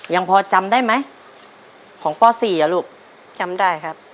ยังพอจำได้ไหมของป๔อ่ะลูกจำได้ครับ